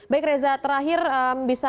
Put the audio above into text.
baik reza terakhir bisa anda kembali sekali